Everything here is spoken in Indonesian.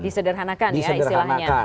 disederhanakan ya istilahnya